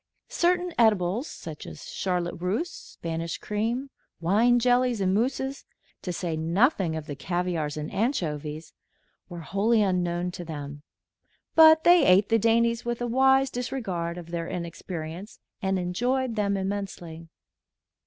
Certain edibles, such as charlotte russe, Spanish cream, wine jellies and mousses, to say nothing of the caviars and anchovies, were wholly unknown to them; but they ate the dainties with a wise disregard of their inexperience and enjoyed them immensely.